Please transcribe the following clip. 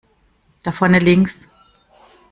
Da vorne links!